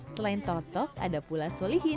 selain toto ada pula solihia